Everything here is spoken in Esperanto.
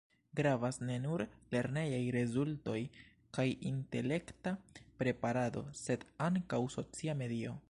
Gravas ne nur lernejaj rezultoj kaj intelekta preparado, sed ankaŭ socia medio.